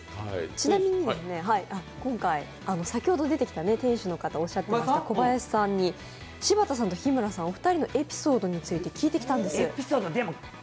ちなみに今回、先ほど出てきた店主の方、おっしゃっていた小林さんに柴田さんと日村さんお二人のエピソードについて伺ってきたんです。